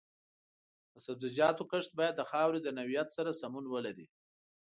د سبزیجاتو کښت باید د خاورې د نوعیت سره سمون ولري.